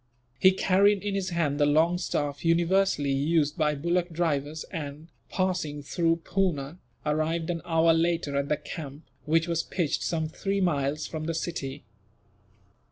He carried in his hand the long staff universally used by bullock drivers and, passing through Poona, arrived an hour later at the camp, which was pitched some three miles from the city.